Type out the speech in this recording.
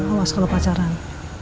awas kalau pacaran